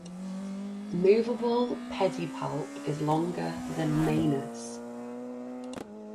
Movable pedipalp is longer than manus.